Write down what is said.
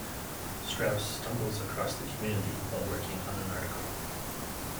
Strauss stumbles across the community while working on an article.